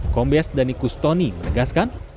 kombes danikus toni menegaskan